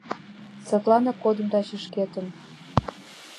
Садланак кодым таче шкетын